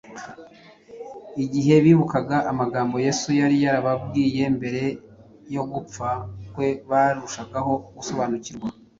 Igihe bibukaga amagambo Yesu yari yarababwiye mbere yo gupfa kwe barushagaho gusobanukirwa